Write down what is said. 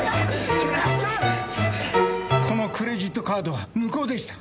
このクレジットカードは無効でした。